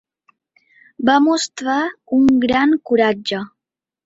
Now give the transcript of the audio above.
Va mostrar un gran coratge.